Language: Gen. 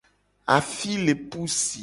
Afi le pu si.